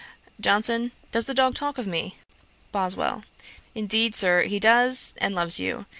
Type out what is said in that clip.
JOHNSON. 'Does the dog talk of me?' BOSWELL. 'Indeed, Sir, he does, and loves you.'